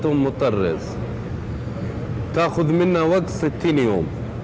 ini kiswah dari tahlia